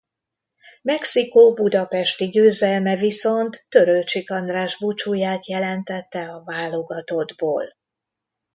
Mexikó budapesti győzelme viszont Törőcsik András búcsúját jelentette a válogatottból.